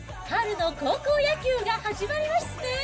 春の高校野球が始まりますね。